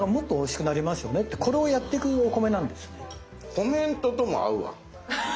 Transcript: コメントとも合うわ。